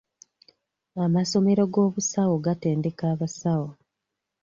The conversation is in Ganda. Amasomero g'obusawo gatendeka abasawo.